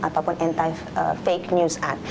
ataupun anti fake news art